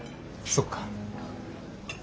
そっか。